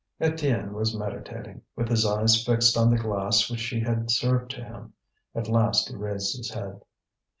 Étienne was meditating, with his eyes fixed on the glass which she had served to him. At last he raised his head.